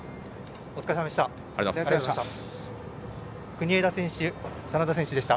お疲れさまでした。